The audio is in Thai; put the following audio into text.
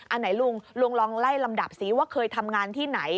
อันไหนลุงลุงลองไล่ลำดับซิว่าเคยทำงานที่ไหน